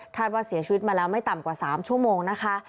ว่าเสียชีวิตมาแล้วไม่ต่ำกว่า๓ชั่วโมงนะคะ